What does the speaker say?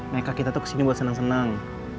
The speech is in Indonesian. neka kita tuh kesini buat seneng seneng